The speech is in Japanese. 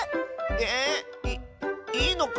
えっ⁉いいいのか？